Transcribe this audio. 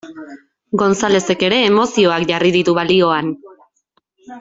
Gonzalezek ere emozioak jarri ditu balioan.